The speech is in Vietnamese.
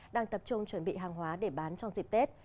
đang tập trung chuẩn bị hàng hóa để bán trong dịp tết